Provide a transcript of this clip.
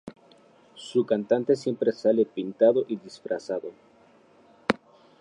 Su cantante siempre sale pintado y disfrazado.